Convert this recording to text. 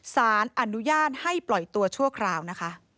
สารอนุญาตให้ปล่อยตัวชั่วคราวนะคะ